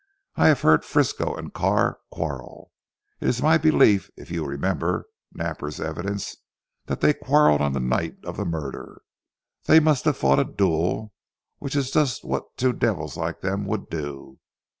"I have heard Frisco and Carr quarrel. It is my belief if you remember Napper's evidence that they quarrelled on the night of the murder. They must have fought a duel, which is just what two devils like them would do.